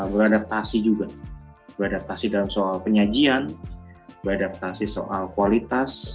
beradaptasi juga beradaptasi dalam soal penyajian beradaptasi soal kualitas